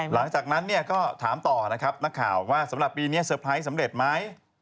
หลังจากนั้นเนี่ยก็ถามต่อนะครับนักข่าวว่าสำหรับปีนี้เซอร์ไพรส์สำเร็จไหม